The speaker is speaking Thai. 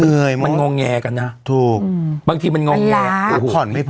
เหนื่อยมันงองแงกันนะถูกบางทีมันงองแงมันล้าผ่อนไม่พอ